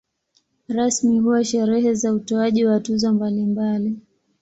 Rasmi huwa sherehe za utoaji wa tuzo mbalimbali.